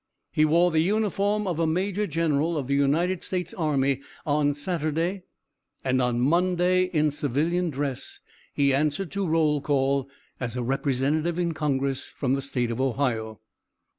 He wore the uniform of a major general of the United States Army on Saturday, and on Monday, in civilian's dress, he answered to roll call as a Representative in Congress from the State of Ohio.